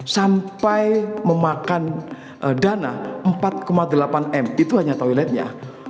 sampai memakan dana empat delapan m itu hanya toiletnya